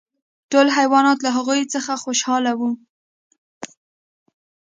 ټول حیوانات له هغوی څخه خوشحاله وو.